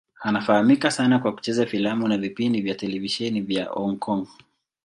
Anafahamika sana kwa kucheza filamu na vipindi vya televisheni vya Hong Kong.